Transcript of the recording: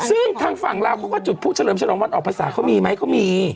ซึ่งทางฝั่งลาวเขาก็จุดผู้เฉลิมฉลองวันออกภาษาเขามีไหมเขามี